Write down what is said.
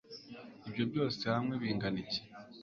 ibyo byose hamwe bingana iki